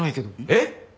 えっ！？